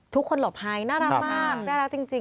ทุกคนหลบไฮน่ารักมากน่ารักจริงคุณไทย